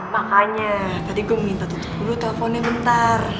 makanya tadi gua minta tutup dulu telponnya bentar